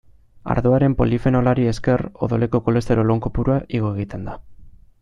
Ardoaren polifenolari esker odoleko kolesterol on kopurua igo egiten da.